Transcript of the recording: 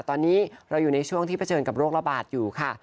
ตอนนี้เราอยู่ในช่วงที่เผชิญกับโรคระบาดอยู่ค่ะ